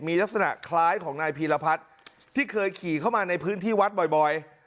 มีลักษณะคล้ายของนายพีรพัฒน์ที่เคยขี่เข้ามาในพื้นที่วัดบ่อย